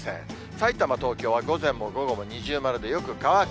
さいたま、東京は午前も午後も二重丸でよく乾く。